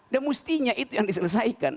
dan mestinya itu yang diselesaikan